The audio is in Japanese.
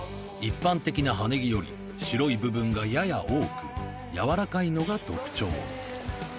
一般的な葉ねぎより白い部分がやや多くやわらかいのが特徴